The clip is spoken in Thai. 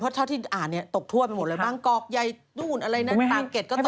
เพราะเท่าที่อ่านเนี่ยตกทั่วไปหมดเลยบ้างกอกยายตู้นอะไรนั้นตางเก็ต